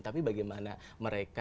tapi bagaimana mereka